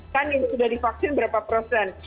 kan yang sudah divaksin berapa persen